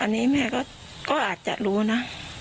อันนี้แม่ก็อาจจะรู้นะ